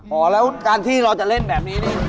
อ๋อกอดคอก็ได้